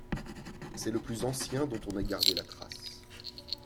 C'est le plus ancien dont on ait gardé la trace.